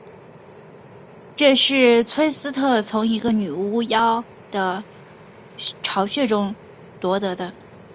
这是崔斯特从一个女巫妖的巢穴中夺得的。